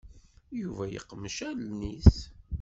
Yuba yeqmec allen-is.